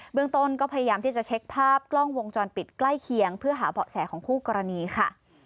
เมืองต้นก็พยายามที่จะเช็คภาพกล้องวงจรปิดใกล้เคียงเพื่อหาเบาะแสของคู่กรณีค่ะ